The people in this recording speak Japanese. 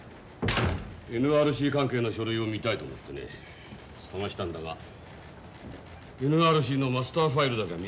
ＮＲＣ関係の書類を見たいと思ってね探したんだがＮＲＣのマスターファイルだけ見当たらないんだ。